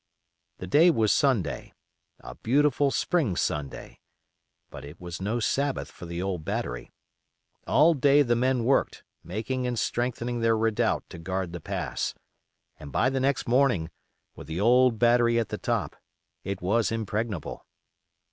The day was Sunday; a beautiful Spring Sunday; but it was no Sabbath for the old battery. All day the men worked, making and strengthening their redoubt to guard the pass, and by the next morning, with the old battery at the top, it was impregnable.